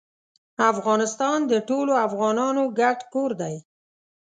افغانستان د ټولو افغانانو ګډ کور دی.